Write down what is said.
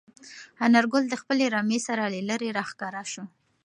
انارګل د خپلې رمې سره له لیرې راښکاره شو.